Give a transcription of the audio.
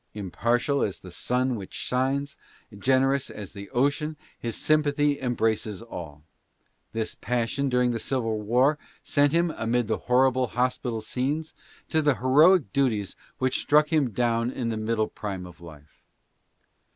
Impartial as the sun which shines, generous as the ocean, his sympathy embraces all. This passion during the civil war sent him, amid the horrible hospital scenes, to the ' heroic duties which struck him down in his middle prime of life.